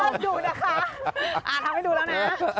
อย่าเลิกดูนะคะอ่าทำให้ดูแล้วนะ